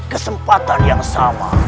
kesempatan yang sama